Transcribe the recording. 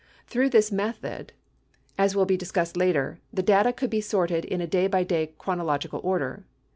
Through this method, as will be discussed later, the data could be sorted in dav by day chronological order.